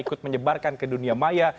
ikut menyebarkan ke dunia maya